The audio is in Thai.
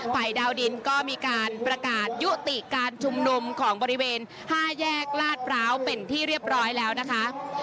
ดาวดินก็มีการประกาศยุติการชุมนุมของบริเวณ๕แยกลาดพร้าวเป็นที่เรียบร้อยแล้วนะคะ